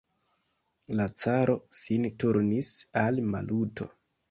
La caro sin turnis al Maluto.